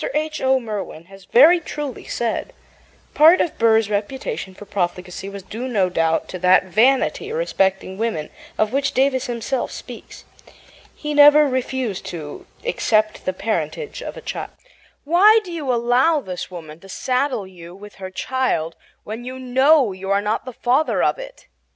H. O. Merwin has very truly said: Part of Burr's reputation for profligacy was due, no doubt, to that vanity respecting women of which Davis himself speaks. He never refused to accept the parentage of a child. "Why do you allow this woman to saddle you with her child when you KNOW you are not the father of it?"